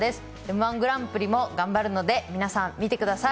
「Ｍ−１グランプリ」も頑張るので皆さん見てください。